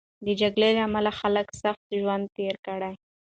د جګړې له امله خلکو سخت ژوند تېر کړ.